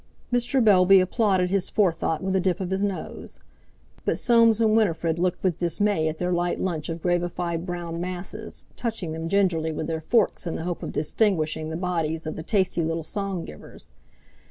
Mr. Bellby applauded his forethought with a dip of his nose. But Soames and Winifred looked with dismay at their light lunch of gravified brown masses, touching them gingerly with their forks in the hope of distinguishing the bodies of the tasty little song givers.